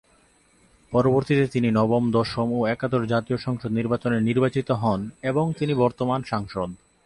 পরবর্তীতে তিনি নবম, দশম ও একাদশ জাতীয় সংসদ নির্বাচনে নির্বাচিত হন এবং তিনি বর্তমান সাংসদ।